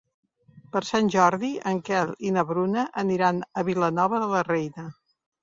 Per Sant Jordi en Quel i na Bruna aniran a Vilanova de la Reina.